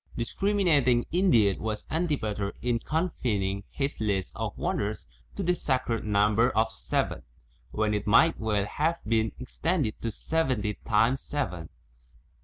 Discriminating indeed was Antipater in confin ing his list of wonders to the sacred number of seven, when it might well have been extended to seventy times seven.